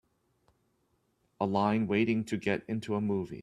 a line waiting to get into a movie